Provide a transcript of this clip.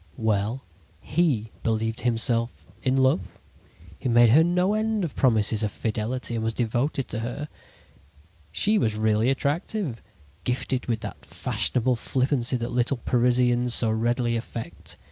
"Well, he believed himself in love; he made her no end of promises of fidelity, and was devoted to her. "She was really attractive, gifted with that fashionable flippancy that little Parisians so readily affect.